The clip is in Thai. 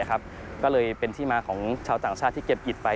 ก็เลยเป็นที่มาของชาวต่างชาติที่เก็บอิตไป